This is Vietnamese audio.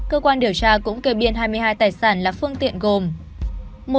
cơ quan điều tra cũng kê biên hai mươi hai tài sản là phương tiện gồm